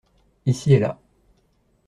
Ici et là.